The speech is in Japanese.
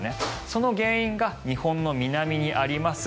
その原因が日本の南にあります